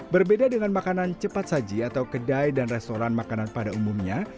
berbeda dengan makanan cepat saji atau kedai dan restoran makanan pada umumnya